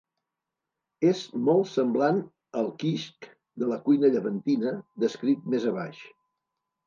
És molt semblant al "kishk" de la cuina llevantina descrit més abaix.